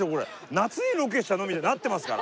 夏にロケしたの？みたいになってますから。